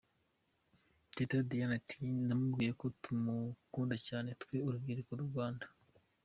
Teta Diana ati, namubwira ko tumukunda cyane, twe urubyiruko rw'u Rwanda.